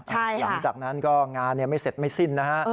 หลังจากนั้นก็งานไม่เสร็จไม่สิ้นนะฮะ